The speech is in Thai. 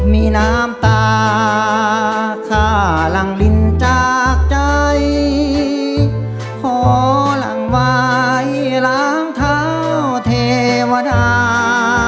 มีน้ำตาข้าหลังลินจากใจขอหลังวายล้างเท้าเทวดา